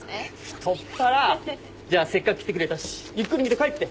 太っ腹！じゃあせっかく来てくれたしゆっくり見て帰って。